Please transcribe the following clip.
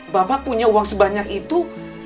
bapak punya uang sebanyak itu